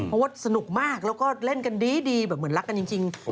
เพราะว่าสนุกมากแล้วก็เล่นกันดีแบบเหมือนรักกันจริง